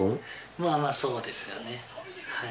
まあまあ、そうですよね。